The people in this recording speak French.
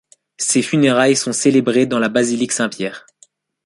Ses funérailles sont célébrés dans la basilique St-Pierre.